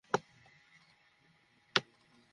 শরীর ভেঙে আমরা কাজ করি!